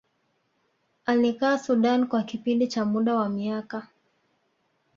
alikaa Sudan kwa kipindi cha muda wa miaka